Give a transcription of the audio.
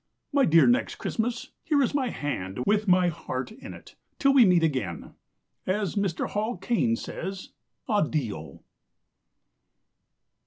My dear Next Christmas, Here is my hand, With my heart in it. Till we meet again As Mr. Hall Caine says Addio.